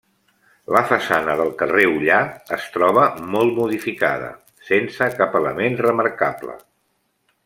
La façana del carrer Ullà es troba molt modificada, sense cap element remarcable.